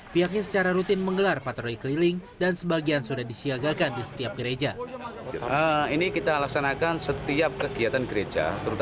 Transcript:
pihaknya secara rutin menggelar patroli keliling dan sebagian sudah disiagakan di setiap gereja